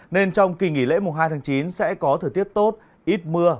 nên trong kỳ nghỉ lễ mùng hai tháng chín sẽ có thời tiết tốt ít mưa